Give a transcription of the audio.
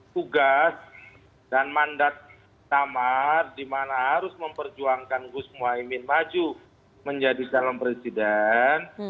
tugas dan mandat tamar dimana harus memperjuangkan gus mohaimin maju menjadi salam presiden